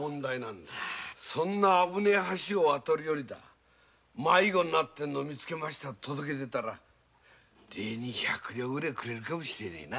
そんな危ねぇ橋を渡るより迷子になったのを見つけたと届ければ礼に百両ぐれぇくれるかもしれねぇな。